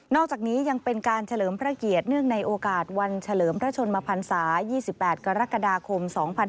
อกจากนี้ยังเป็นการเฉลิมพระเกียรติเนื่องในโอกาสวันเฉลิมพระชนมพันศา๒๘กรกฎาคม๒๕๕๙